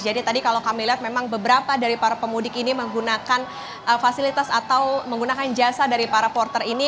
jadi tadi kalau kami lihat memang beberapa dari para pemudik ini menggunakan fasilitas atau menggunakan jasa dari para porter ini